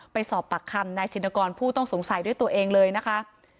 ไปสอบปากคำนายชินกรผู้ต้องสงสัยด้วยตัวเองเลยนะคะ